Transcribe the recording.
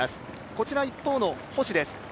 こちら一方の星です。